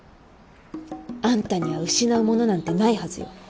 アンタには失うものなんてないはずよ。